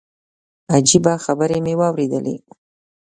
عجيبه خبرې مې اورېدلې.